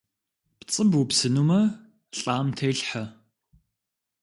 ПцIы бупсынумэ лIам телъхьэ.